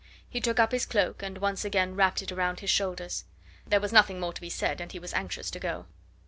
He took up his cloak and once again wrapped it round his shoulders. There was nothing more to be said, and he was anxious to go.